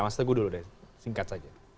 mas teguh dulu deh singkat saja